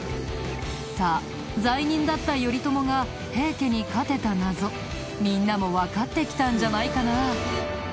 さあ罪人だった頼朝が平家に勝てた謎みんなもわかってきたんじゃないかな？